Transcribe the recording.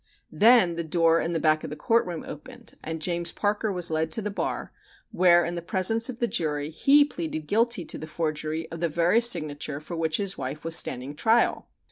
Then the door in the back of the court room opened and James Parker was led to the bar, where in the presence of the jury he pleaded guilty to the forgery of the very signature for which his wife was standing trial.